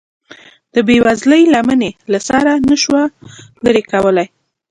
د بې وزلۍ لمن یې له سره نشوه لرې کولی.